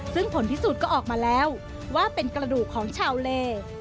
ซึ่งผลพิสูจน์ก็ออกมาแล้วว่าเป็นกระดูกของชาวเล